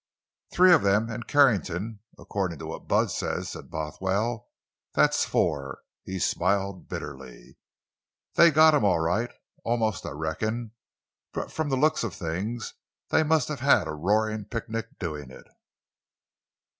"Three of them—an' Carrington—accordin' to what Bud says," said Bothwell. "That's four." He smiled bitterly. "They got him all right—almost, I reckon. But from the looks of things they must have had a roarin' picnic doin' it!"